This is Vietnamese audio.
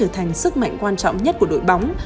thành sức mạnh quan trọng nhất của đội bóng